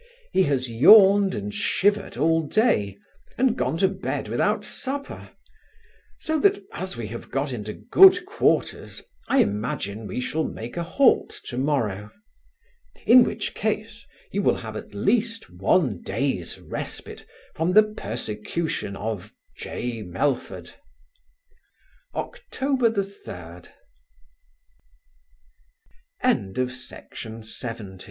He has yawned and shivered all day, and gone to bed without supper; so that, as we have got into good quarters, I imagine we shall make a halt to morrow; in which case, you will have at least one day's respite from the persecution of J. MELFORD Oct. 3. To Mrs MARY JONES, at Brambleton hall.